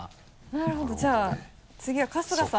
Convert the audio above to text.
なるほどじゃあ次は春日さん。